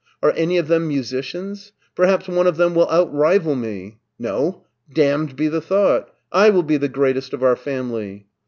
Are any of them musicians? Perhaps one of them .will outrival me! No, damned be the thought : I will be the greatest of our family."